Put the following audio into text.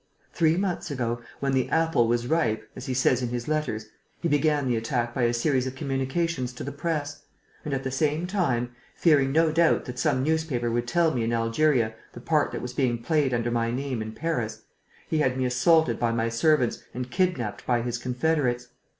Three months ago, when 'the apple was ripe,' as he says in his letters, he began the attack by a series of communications to the press; and, at the same time, fearing no doubt that some newspaper would tell me in Algeria the part that was being played under my name in Paris, he had me assaulted by my servants and kidnapped by his confederates.